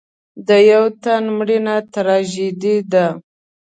د یو تن مړینه تراژیدي ده.